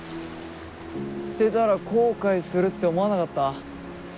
捨てたら後悔するって思わなかった？